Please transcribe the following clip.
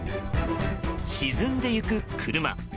沈んでいく車。